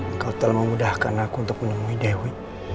engkau telah memudahkan aku untuk menemui dewi